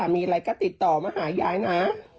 มีอะไรก็ติดต่อมาหายายนะ